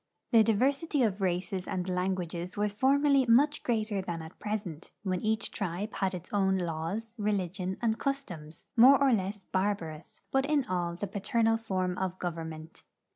The diversity of races and languages was formerly much greater than at present, when each tribe had its ovm laws, re ligion and customs, more or less barbarous, but in all the pa ternal form of government.